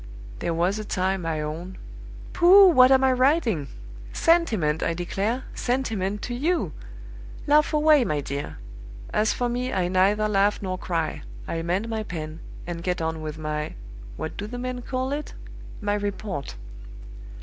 There was a time, I own Pooh! what am I writing? Sentiment, I declare! Sentiment to you! Laugh away, my dear. As for me, I neither laugh nor cry; I mend my pen, and get on with my what do the men call it? my report.